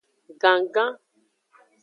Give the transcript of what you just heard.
Gannggan.